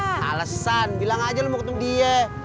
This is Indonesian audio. wah alesan bilang aja lo mau ketemu dia